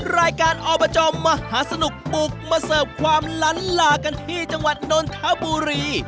รายการอบจมหาสนุกบุกมาเสิร์ฟความล้านลากันที่จังหวัดนนทบุรี